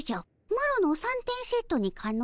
マロの三点セットにかの？